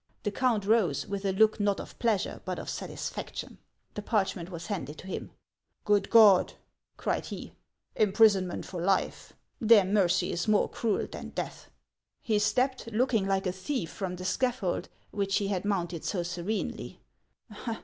The count rose, with a look not of pleasure, but of satisfaction. The parchment was handed to him. 'Oood God!' cried he, ' imprisonment for life! Their mercy is more cruel than death.' He stepped, looking like a thief, from the scaffold which he had mounted so serenely.